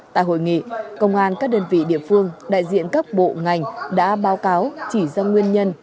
tại hội nghị công an các đơn vị địa phương đại diện các bộ ngành đã báo cáo chỉ ra nguyên nhân